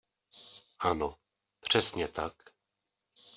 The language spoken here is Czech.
Ano, přesně tak...